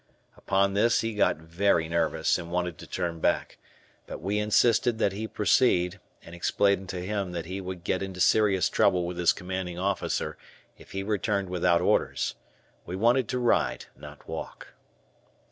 Upon this he got very nervous, and wanted to turn back, but we insisted that he proceed and explained to him that he would get into serious trouble with his commanding officer if he returned without orders; we wanted to ride, not walk.